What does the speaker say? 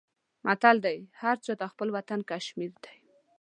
متل دی: هر چاته خپل وطن کشمیر دی.